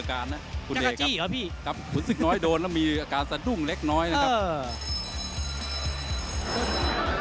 คุณเอกครับขุนศึกน้อยโดนแล้วมีอาการสะดุ้งเล็กน้อยนะครับ